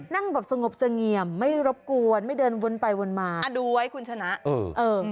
นั่งแบบสงบเสงี่ยมไม่รบกวนไม่เดินวนไปวนมาอ่ะดูไว้คุณชนะเออเออ